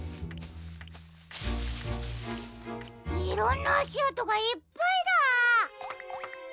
いろんなあしあとがいっぱいだ。